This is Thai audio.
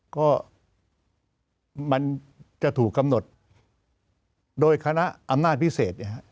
ก็มันจะถูกกำหนดโดยคณะอำนาจพิเศษเนี่ยฮะ